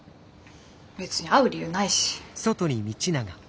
別に会う理由ないし。